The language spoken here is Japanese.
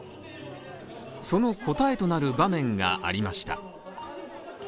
その答えとなる場面がありました。